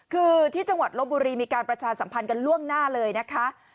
คือที่จังหวัดลบบุรีมีการประชาสัมพันธ์กันล่วงหน้าเลยนะคะ